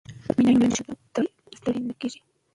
که مینه وي ماشومان ستړي نه کېږي.